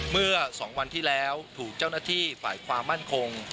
เมื่อ๒วันที่แล้วถูกเจ้าหน้าที่ฝ่ายความมั่นคง